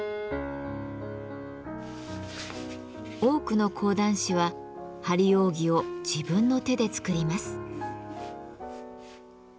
多くの講談師は張り扇を自分の手で作ります。